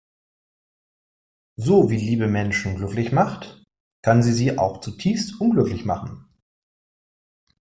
So wie Liebe Menschen glücklich macht, kann sie sie auch zutiefst unglücklich machen.